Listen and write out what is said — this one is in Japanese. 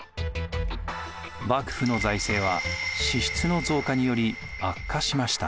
幕府の財政は支出の増加により悪化しました。